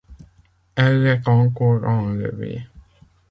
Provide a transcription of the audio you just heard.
Elle est encore enlevée.